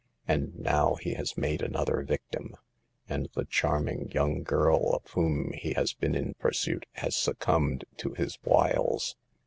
And now he has made another victim, and the charming young girl of whom he has been in pursuit has succumbed to his wiles.